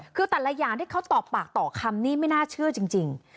คือแต่ละอย่างที่เขาตอบปากต่อคำนี่ไม่น่าเชื่อจริง